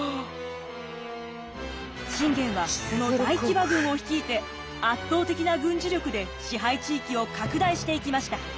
信玄はこの大騎馬軍を率いて圧倒的な軍事力で支配地域を拡大していきました。